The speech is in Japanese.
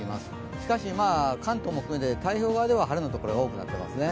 しかし関東も含めて太平洋側では晴れのところが多くなっています。